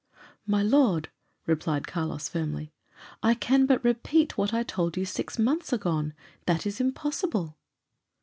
"My lord," replied Carlos, firmly, "I can but repeat what I told you six months agone that is impossible."